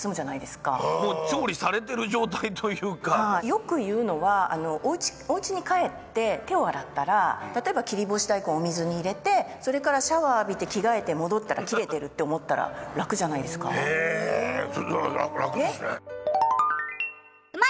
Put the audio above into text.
よく言うのはおうちに帰って手を洗ったら例えば切り干し大根をお水に入れてそれからシャワー浴びて着替えて戻ったら切れてるって思ったら楽じゃないですか？へ楽ですね。